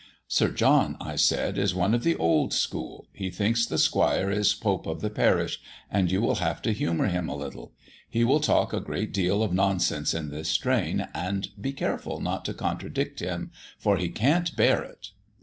'Sir John,' I said, 'is one of the old school; he thinks the Squire is pope of the parish, and you will have to humour him a little. He will talk a great deal of nonsense in this strain, and be careful not to contradict him, for he can't bear it.'